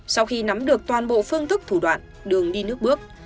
sau khi nắm được toàn bộ phương thức thủ đoạn đường đi nước bước